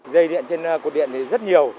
dây điện trên cột điện thì rất nhiều